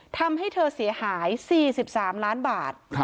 ทำให้เธอเสียหาย๔๓ล้านบาท